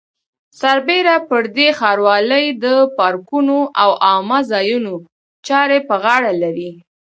سربېره پر دې ښاروالۍ د پارکونو او عامه ځایونو چارې په غاړه لري.